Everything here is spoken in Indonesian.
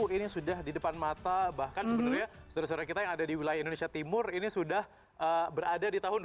dua ribu dua puluh satu ini sudah di depan mata bahkan sebenarnya saudara saudara kita yang ada di wilayah indonesia timur ini sudah berada di tahun dua ribu dua puluh satu